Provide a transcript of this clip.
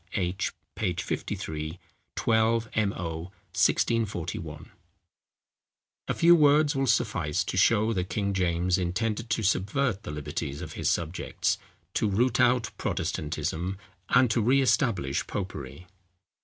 H._ Page 53, 12mo. 1641.] A few words will suffice to shew that King James intended to subvert the liberties of his subjects, to root out Protestantism, and to re establish popery.